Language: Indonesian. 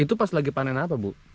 itu pas lagi panen apa bu